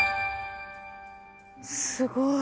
すごい。